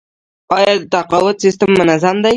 آیا تقاعد سیستم منظم دی؟